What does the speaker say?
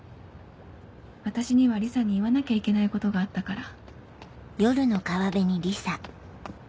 私にはリサに言わなきゃいけないことがあったから。